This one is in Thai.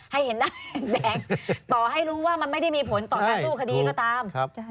เห็นหน้าแดงต่อให้รู้ว่ามันไม่ได้มีผลต่อการสู้คดีก็ตาม